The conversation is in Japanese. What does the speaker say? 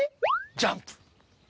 ジャンプ。